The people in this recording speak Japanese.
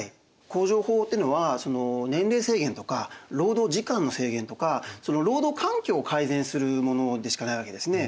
工場法っていうのは年齢制限とか労働時間の制限とか労働環境を改善するものでしかないわけですね。